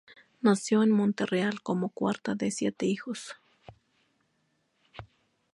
Nació en Montreal, como cuarta de siete hijos.